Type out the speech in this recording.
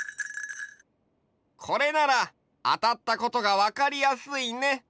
これならあたったことが分かりやすいね！